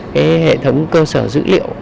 cái hệ thống cơ sở dữ liệu